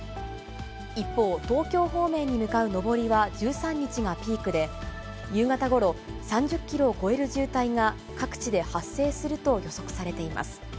一方、東京方面に向かう上りは１３日がピークで、夕方ごろ３０キロを超える渋滞が各地で発生すると予測されています。